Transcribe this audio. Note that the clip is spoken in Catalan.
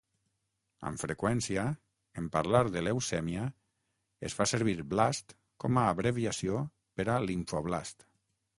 Amb freqüència, en parlar de leucèmia, es fa servir "blast" com a abreviació per a "limfoblast".